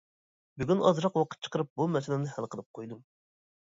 بۈگۈن ئازراق ۋاقىت چىقىرىپ بۇ مەسىلىنى ھەل قىلىپ قويدۇم.